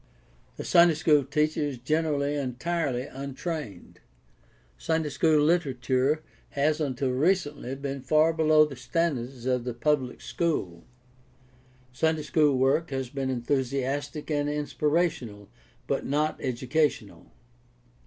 The Sunday school teacher is generally entirely untrained. Sunday school literature has until recently been far below the standards of the public school. Sunday school work has been enthusiastic and inspirational, but not educa tional.